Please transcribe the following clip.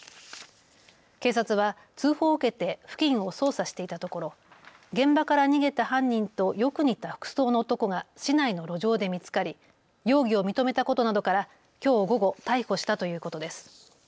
警察は通報を受けて付近を捜査していたところ現場から逃げた犯人とよく似た服装の男が市内の路上で見つかり容疑を認めたことなどからきょう午後、逮捕したということです。